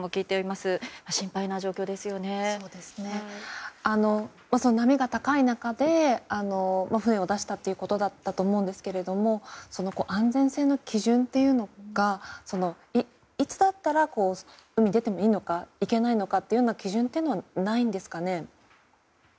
まずは波が高い中で船を出したということだったと思うんですけど安全性の基準というのがいつだったら海に出てもいいのかいけないのかという基準はないんですかね。